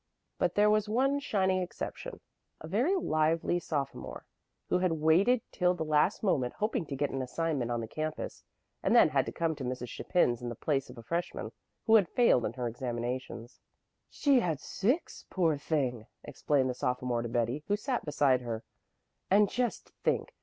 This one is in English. But there was one shining exception, a very lively sophomore, who had waited till the last moment hoping to get an assignment on the campus, and then had come to Mrs. Chapin's in the place of a freshman who had failed in her examinations. "She had six, poor thing!" explained the sophomore to Betty, who sat beside her. "And just think!